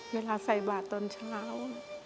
เวลาใส่บาทตอนเช้า